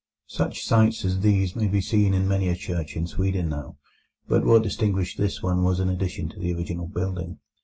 Such sights as these may be seen in many a church in Sweden now, but what distinguished this one was an addition to the original building.